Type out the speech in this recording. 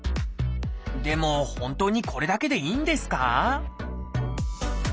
でも本当にこれだけでいいんですか？